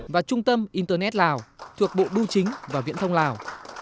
và trung tâm internet lào thuộc bộ bưu chính và viễn thông lào